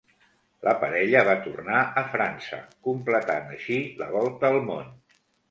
La parella va tornar a França, completant així la volta al món.